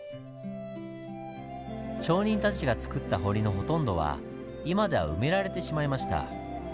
町人たちがつくった堀のほとんどは今では埋められてしまいました。